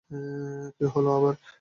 কী হলো আবার?